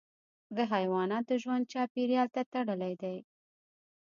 د حیواناتو ژوند چاپیریال ته تړلی دی.